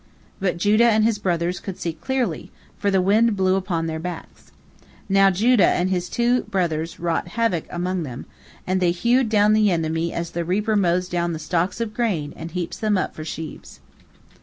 But Judah and his brothers could see clearly, for the wind blew upon their backs. Now Judah and his two brothers wrought havoc among them, they hewed the enemy down as the reaper mows down the stalks of grain and heaps them up for sheaves.